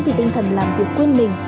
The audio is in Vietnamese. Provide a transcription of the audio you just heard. vì tinh thần làm việc quên mình